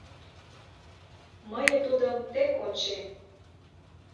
Мые тудым тек ончем